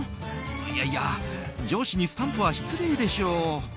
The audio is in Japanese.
いやいや、上司にスタンプは失礼でしょ。